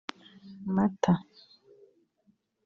Mata